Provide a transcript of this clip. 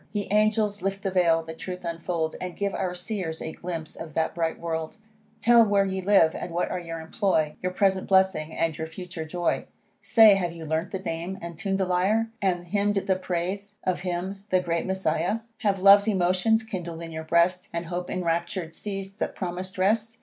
Ye angels, lift the vail, the truth unfold, And give our Seers a glimpse of that bright world; Tell where ye live, and what are your employ, Your present blessing, and your future joy. Say, have you learn'd the name, and tun'd the lyre, And hymn'd the praise of him the great Messiah? Have love's emotions kindl'd in your breast, And hope enraptur'd seiz'd the promis'd rest?